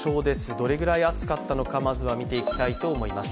どれぐらい暑かったのかまずは見ていきたいと思います。